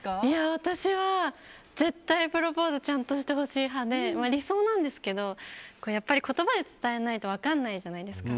私は絶対プロポーズちゃんとしてほしい派で理想なんですけど言葉で伝えないと分からないじゃないですか。